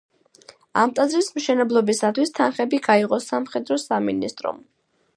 ამ ტაძრის მშენებლობისათვის თანხები გაიღო სამხედრო სამინისტრომ.